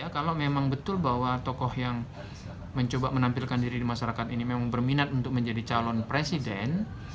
kalau memang betul bahwa tokoh yang mencoba menampilkan diri di masyarakat ini memang berminat untuk menjadi calon presiden